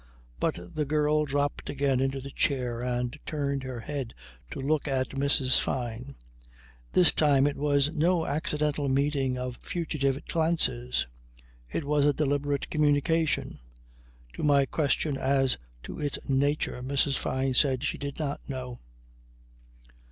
But the girl dropped again into the chair and turned her head to look at Mrs. Fyne. This time it was no accidental meeting of fugitive glances. It was a deliberate communication. To my question as to its nature Mrs. Fyne said she did not know.